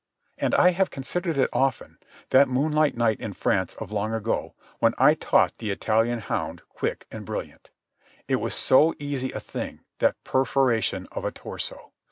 And I have considered it often, that moonlight night in France of long ago, when I taught the Italian hound quick and brilliant. It was so easy a thing, that perforation of a torso.